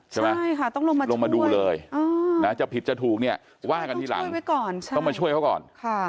ใช่ไหมลงมาดูเลยจะผิดจะถูกเนี่ยว่ากันทีหลังต้องมาช่วยเขาก่อน